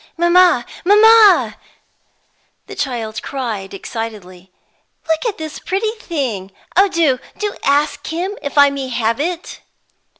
"Mamma! mamma!" the child cried, excitedly, "look at this pretty thing! Oh, do, do ask him if I may have it!"